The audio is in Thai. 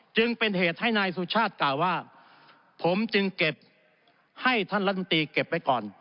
จึงเป็นเหตุให้นายสุชาติกล่าวว่าผมจึงเก็บให้ท่านรัฐมนตรีเก็บไว้ก่อน